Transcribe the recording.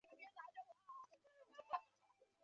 担任角色原案的夏元雅人有出其漫画版本。